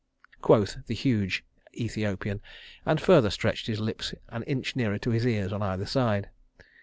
quoth the huge Ethiopian, and further stretched his lips an inch nearer to his ears on either side.